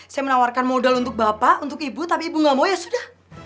saya menawarkan modal untuk bapak untuk ibu tapi ibu gak mau ya sudah